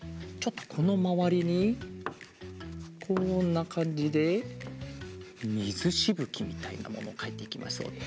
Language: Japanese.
ちょっとこのまわりにこんなかんじでみずしぶきみたいなものかいていきますよ。